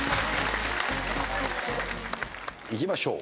いきましょう。